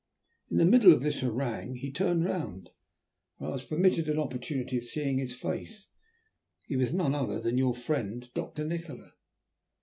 In the middle of this harangue he turned round, and I was permitted an opportunity of seeing his face. He was none other than your friend, Doctor Nikola."